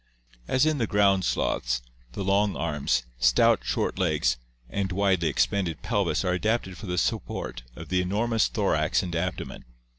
As in the ground sloths, the long arms, stout, short legs, and widely expanded pelvis are adapted for the support of the enormous thorax and abdomen.